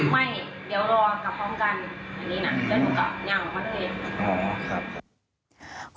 ไม่เดี๋ยวรอกลับพร้อมกัน